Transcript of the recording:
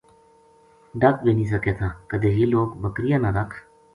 ڈَک بے نیہہ سکے تھا کَدے یہ لوک بکریاں نا رکھ